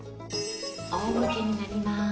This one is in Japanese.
あお向けになります。